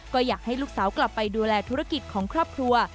ก็อยากให้ลูกสาวกลับไปดูแลธุรกิจของครอบครัว